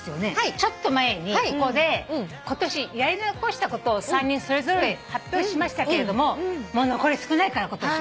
ちょっと前にここで今年やり残したことを３人それぞれ発表しましたけどもう残り少ないから今年も。